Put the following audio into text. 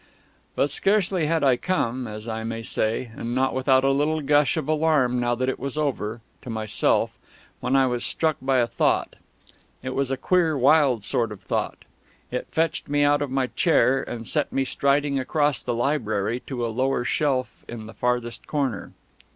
But scarcely had I come, as I may say (and not without a little gush of alarm now that it was over), to myself, when I was struck by a thought. It was a queer wild sort of thought. It fetched me out of my chair and set me striding across the library to a lower shelf in the farthest corner.